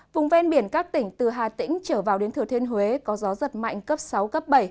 vùng ven biển các tỉnh từ hà tĩnh trở vào đến thừa thiên huế có gió giật mạnh cấp sáu cấp bảy